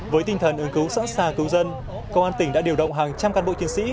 với tinh thần ứng cứu sẵn sàng cứu dân công an tỉnh đã điều động hàng trăm cán bộ chiến sĩ